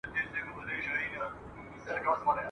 پر آسمان یې کرشمې د ده لیدلای ..